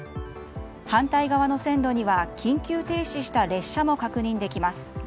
反対側の線路には緊急停止した列車も確認できます。